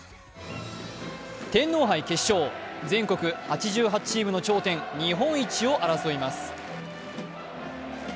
天皇杯決勝、全国８８チームの頂点日本一を争います。